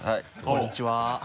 こんにちは。